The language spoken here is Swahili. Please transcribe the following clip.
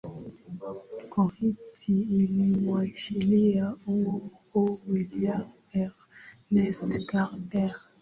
korti ilimwachilia huru william ernest carter